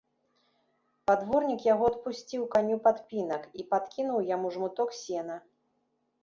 Падводнік яго адпусціў каню падпінак і падкінуў яму жмуток сена.